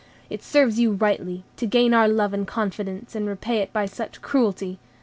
It serves you rightly; to gain our love and confidence, and repay it by such cruelty!